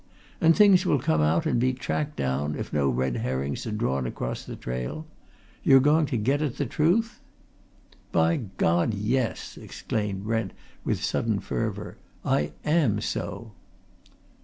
And things will come out and be tracked down, if no red herrings are drawn across the trail. You're going to get at the truth?" "By God, yes!" exclaimed Brent, with sudden fervour. "I am so!"